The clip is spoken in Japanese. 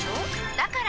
だから！